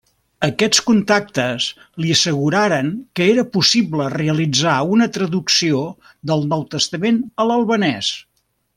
Aquests contactes li asseguraren que era possible realitzar una traducció del Nou Testament a l'albanès.